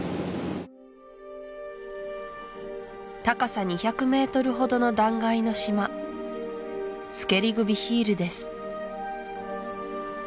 高さ２００メートルほどの断崖の島スケリグ・ヴィヒールです